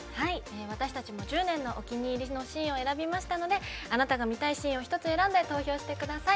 私たちも１０年のお気に入りのシーンを選びましたのであなたが見たいシーンを１つ選んで投票してください。